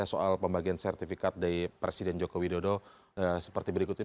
soal pembagian sertifikat dari presiden joko widodo seperti berikut ini